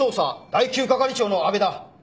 第９係長の阿部だ。